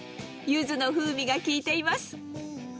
ゆずの風味が効いています。